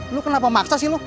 lu kenapa maksa sih lu